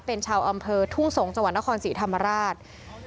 เป็นชาวอำเภอทุ่งสงศ์จังหวัดนครศรีธรรมราช